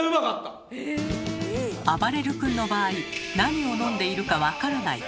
あばれる君の場合何を飲んでいるか分からない